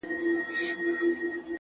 عاجزي دروازې پرانیزي،